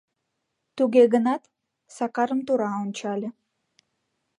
Туге гынат, Сакарым тура ончале.